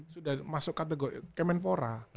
sudah masuk kategori kemenpora